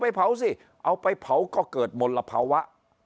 เผาสิเอาไปเผาก็เกิดมลภาวะ